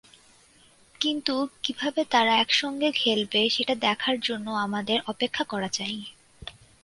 কিন্তু কীভাবে তারা একসঙ্গে খেলবে সেটা দেখার জন্য আমাদের অপেক্ষা করা চাই।